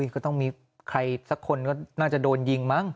ก็ต้องมีใครสักคนก็น่าจะโดนยิงมั้ง